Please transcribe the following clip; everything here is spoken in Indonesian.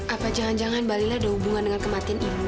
apa jangan jangan balila ada hubungan dengan kematian ibu